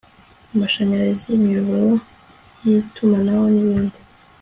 amashanyarazi, imiyoboro y'itumanaho n'ibindi